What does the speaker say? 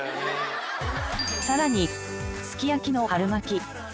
さらにすき焼きの春巻き。